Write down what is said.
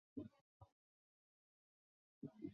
凯尔福特人口变化图示